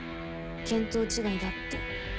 見当違いだって。